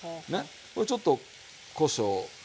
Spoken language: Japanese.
これちょっとこしょうを。